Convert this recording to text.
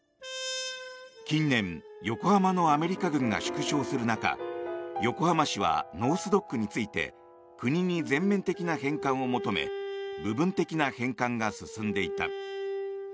近年横浜のアメリカ軍が縮小する中横浜市はノース・ドックについて国に全面的な返還を求め部分的な返還が進んでいた。